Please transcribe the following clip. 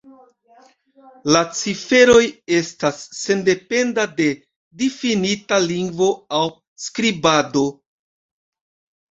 La ciferoj estas sendependa de difinita lingvo aŭ skribado.